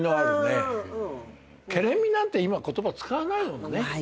ケレン味なんて今言葉使わないもんね。